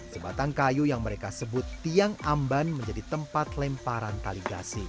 sebatang kayu yang mereka sebut tiang amban menjadi tempat lemparan tali gasing